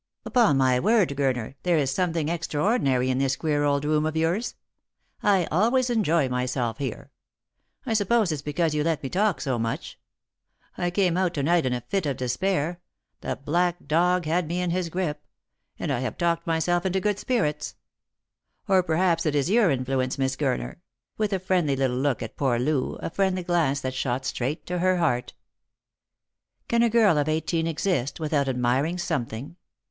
" Upon my word, Gurner, there is something extraordinary in this queer old room of yours. I always enjoy myself here ; I suppose it's because you let me talk so much. I came out to night in a fit of despair — the black dog had me in his grip — and I have talked myself into good spirits. Or perhaps it is your influence, Miss Gurner," with a friendly little look at poor Loo, a friendly glance that shot straight to her heart. Can a girl of eighteen exist without admiring something